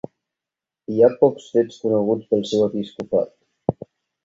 Hi ha pocs fets coneguts del seu episcopat.